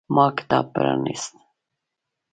ما کتاب پرانیست.